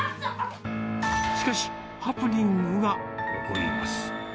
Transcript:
しかし、ハプニングが起こります。